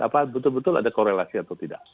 apa betul betul ada korelasi atau tidak